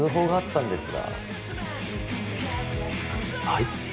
はい？